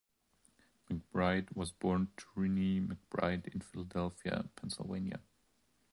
McBride was born to Renee McBride in Philadelphia, Pennsylvania.